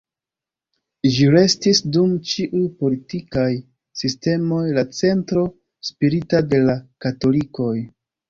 Ĝi restis, dum ĉiuj politikaj sistemoj, la centro spirita de la katolikoj.